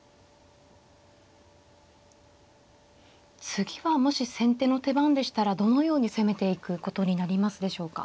次はもし先手の手番でしたらどのように攻めていくことになりますでしょうか。